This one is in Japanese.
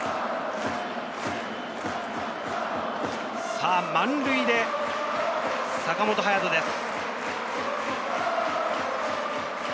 さぁ満塁で坂本勇人です。